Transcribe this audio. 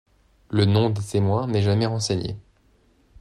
Le nom des témoins n'est jamais renseigné.